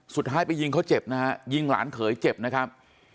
สุดท้ายไปยิงเขาเจ็บนะฮะยิงหลานเขยเจ็บนะครับ